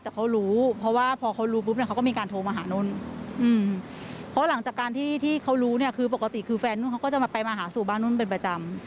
แต่เขารู้เพราะว่าพอเขารู้ปุ๊บเนี่ยเขาก็มีการโทรมาหานุ่นเพราะหลังจากการที่ที่เขารู้เนี่ยคือปกติคือแฟนนุ่นเขาก็จะมาไปมาหาสู่บ้านนุ่นเป็นประจำ